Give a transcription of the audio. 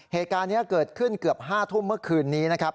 เหตุการณ์นี้เกิดขึ้นเกือบ๕ทุ่มเมื่อคืนนี้นะครับ